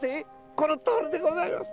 このとおりでございます